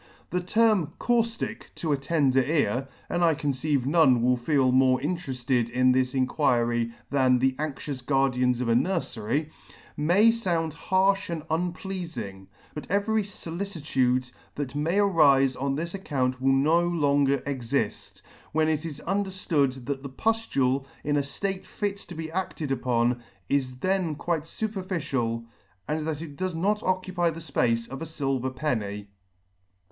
The term cauftic to a tender t '°5 ] a tender ear (and I conceive none will feel more interefled in this Inquiry than the anxious guardians of a nurfery) may found harfh and unpleafing, but every folicitude that may arife on this account will no longer exifl, when it is underflood that the puflule in a flate fit to be acded upon is then quite fuperficial, and that it does not occupy the fpace of a filver penny*.